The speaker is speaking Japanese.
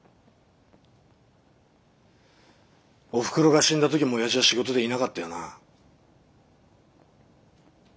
おふくろが死んだ時も親父は仕事でいなかったよな。